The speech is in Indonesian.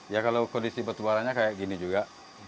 ya kalau kondisi batubaranya kayak gini juga